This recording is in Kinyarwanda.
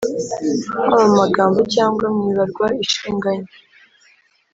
haba mu magambo cyangwa mu ibarwa ishinganye